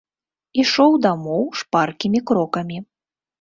Ішоў дамоў шпаркімі крокамі.